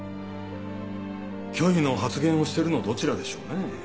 虚偽の発言をしてるのどちらでしょうね。